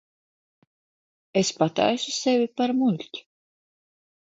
Es pataisu sevi par muļķi.